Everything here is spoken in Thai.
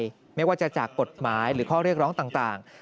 ไม่ว่าจะจากกฎหมายหรือข้อเรียกร้องต่าง